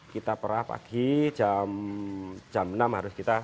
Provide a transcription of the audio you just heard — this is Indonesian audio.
kita perah pagi jam enam harus kita setor ke kak udi